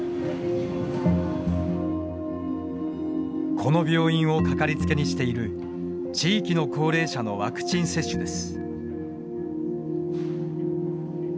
この病院を掛かりつけにしている地域の高齢者のワクチン接種です。